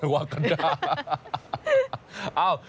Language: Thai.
วากาดา